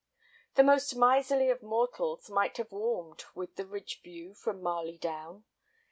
The most miserly of mortals might have warmed with the ridge view from Marley Down.